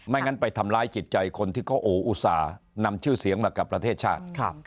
งั้นไปทำร้ายจิตใจคนที่เขาอุตส่าห์นำชื่อเสียงมากับประเทศชาติ